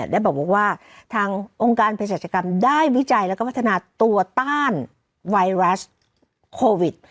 ได้บอกว่าทางองค์การเพศรัชกรรมได้วิจัยแล้วก็พัฒนาตัวต้านไวรัสโควิด